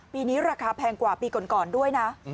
ปีนี้ราคาแพงกว่าปีก่อนด้วยนะ